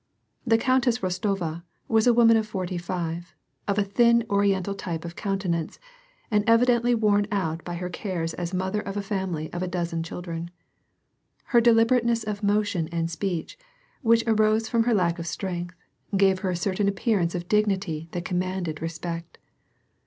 The Countess Bostova was a woman of forty five, of a thin oriental type of countenance, and evidently worn out by her cares as mother of a family of a dozen children. Her delib erateness of motion and speech, which arose from her lack of strength, gave her a certain appearance of dignity that commanded respect.